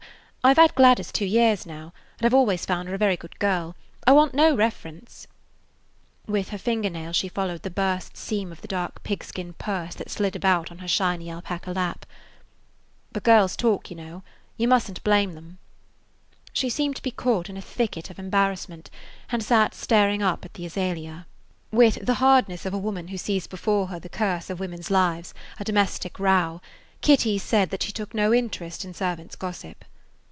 I 've had Gladys two years now, and I 've always found her a very good girl. I want no reference." With [Page 19] her finger nail she followed the burst seam of the dark pigskin purse that slid about on her shiny alpaca lap. "But girls talk, you know. You must n't blame them." She seemed to be caught in a thicket of embarrassment, and sat staring up at the azalea. With the hardness of a woman who sees before her the curse of women's lives, a domestic row, Kitty said that she took no interest in servants' gossip.